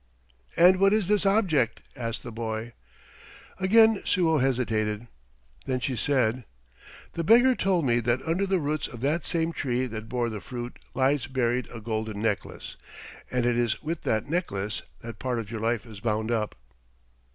"And what is this object?" asked the boy. Again Suo hesitated. Then she said: "The beggar told me that under the roots of that same tree that bore the fruit lies buried a golden necklace, and it is with that necklace that part of your life is bound up."